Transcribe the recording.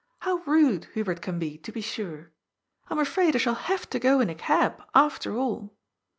^'How rude Hubert can be, to be sure ! I am afraid I shall have to go in a cab, after all."